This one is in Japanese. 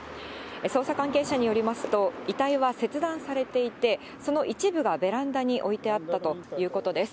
捜査関係者によりますと、遺体は切断されていて、その一部がベランダに置いてあったということです。